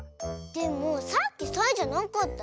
でもさっきサイじゃなかったよ。